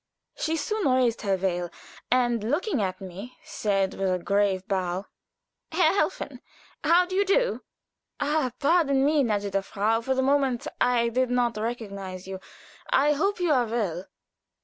She soon raised her veil, and looking at me, said, with a grave bow: "Herr Helfen, how do you do?" "Ah, pardon me, gnädige Frau; for the moment I did not recognize you. I hope you are well."